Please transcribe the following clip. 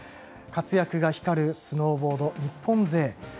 活躍が光るスノーボード日本勢。